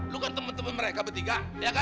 lo kan temen temen mereka bertiga